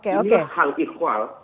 ini adalah hal ikhwal